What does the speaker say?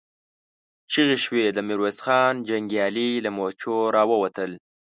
چيغې شوې، د ميرويس خان جنګيالي له مورچو را ووتل.